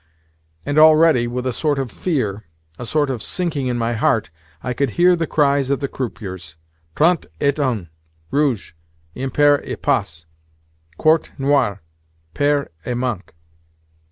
And already, with a sort of fear, a sort of sinking in my heart, I could hear the cries of the croupiers—"Trente et un, rouge, impair et passe," "Quarte, noir, pair et manque."